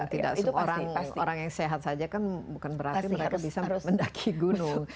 tidak semua orang orang yang sehat saja kan bukan berarti mereka bisa mendaki gunung